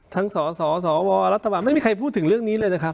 สสวรัฐบาลไม่มีใครพูดถึงเรื่องนี้เลยนะครับ